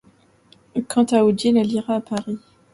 Quant à Odile, elle ira à Paris...